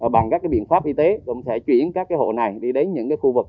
bằng các cái biện pháp y tế chúng tôi sẽ chuyển các cái hồ này đi đến những cái khu vực